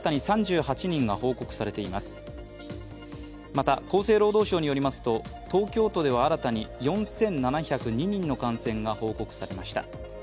また厚生労働省によりますと、東京都では新たに４７０２人の感染が報告されました。